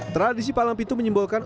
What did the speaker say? tradisi palang pintu menyimbolkan